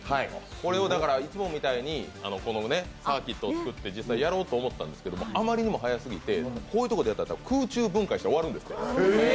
これをいつもみたいに、サーキットを作って実際にやろうと思ったんですけどあまりにも速すぎてこういうとこでやったら空中分解して終わるんですって。